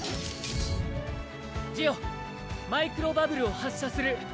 ジオマイクロバブルを発射する。